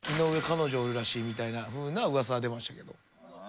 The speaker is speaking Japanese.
彼女おるらしいみたいなふうな噂は出ましたけど。